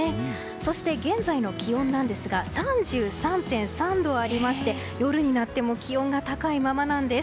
そして、現在の気温ですが３３．３度ありまして夜になっても気温が高いままなんです。